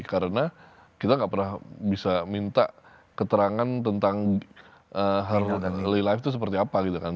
karena kita gak pernah bisa minta keterangan tentang kehidupannya itu seperti apa gitu kan